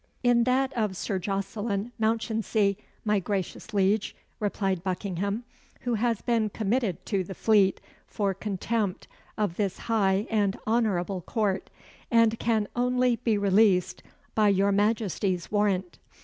"In that of Sir Jocelyn Mounchensey, my gracious Liege," replied Buckingham, "who has been committed to the Fleet for contempt of this high and honourable Court, and can only be released by your Majesty's warrant.